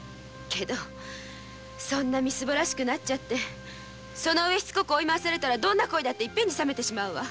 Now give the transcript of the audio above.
そんなみすぼらしくなっちゃってしつこく追い回されたらどんな恋だって覚めてしまうわ。